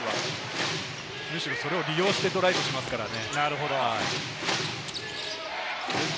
むしろそれを利用してドライブしますからね。